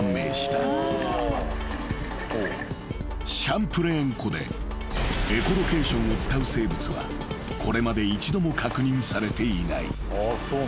［シャンプレーン湖でエコロケーションを使う生物はこれまで一度も確認されていない］